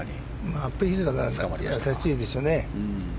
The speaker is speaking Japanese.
アップヒルだからやさしいですよね。